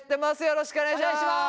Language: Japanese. よろしくお願いします。